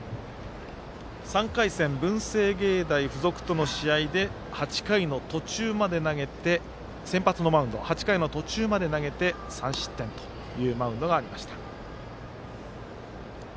３回戦、文星芸大付属との試合で先発のマウンド８回途中まで投げて３失点というマウンドがありました。